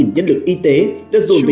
một mươi sáu nhân lực y tế đã dồn về